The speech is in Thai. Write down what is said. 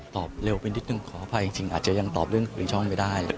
เร็วไปนิดนึงขออภัยจริงอาจจะยังตอบเรื่องคุยช่องไม่ได้